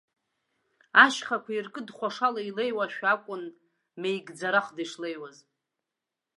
Ашьхақәа иркыдҳәашала илеиуашәа акәын меигӡарахда ишлеиуаз.